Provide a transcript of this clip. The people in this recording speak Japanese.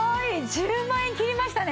１０万円切りましたね。